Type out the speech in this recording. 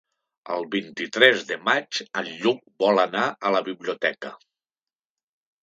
El vint-i-tres de maig en Lluc vol anar a la biblioteca.